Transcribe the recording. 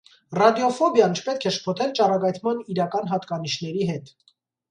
Ռադիոֆոբիան չպետք է շփոթել ճառագայթման իրական հատկանիշների հետ։